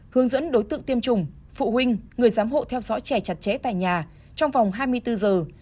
hướng dẫn đối tượng tiêm chủng phụ huynh người giám hộ theo dõi trẻ chặt chẽ tại nhà trong vòng hai mươi bốn giờ